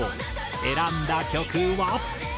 選んだ曲は。